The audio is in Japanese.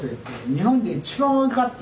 日本で一番多かった